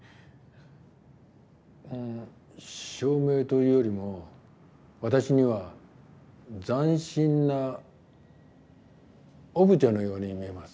照明というよりも私には斬新なオブジェのように見えます。